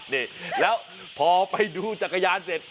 นี่แล้วพอไปดูจักรยานเสร็จ